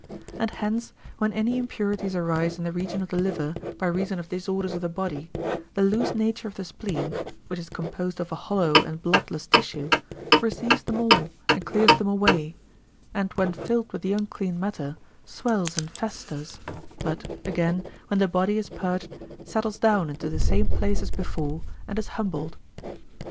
And hence, when any impurities arise in the region of the liver by reason of disorders of the body, the loose nature of the spleen, which is composed of a hollow and bloodless tissue, receives them all and clears them away, and when filled with the unclean matter, swells and festers, but, again, when the body is purged, settles down into the same place as before, and is humbled.